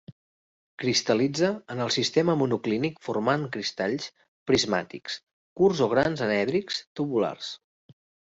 Cristal·litza en el sistema monoclínic formant cristalls prismàtics curts o grans anèdrics tabulars.